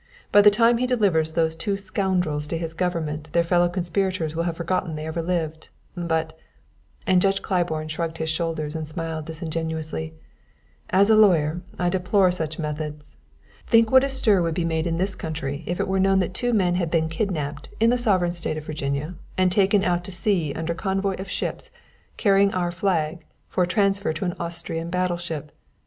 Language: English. By the time he delivers those two scoundrels to his government their fellow conspirators will have forgotten they ever lived. But" and Judge Claiborne shrugged his shoulders and smiled disingenuously "as a lawyer I deplore such methods. Think what a stir would be made in this country if it were known that two men had been kidnapped in the sovereign state of Virginia and taken out to sea under convoy of ships carrying our flag for transfer to an Austrian battle ship!